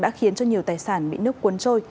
đã khiến cho nhiều tài sản bị nước cuốn trôi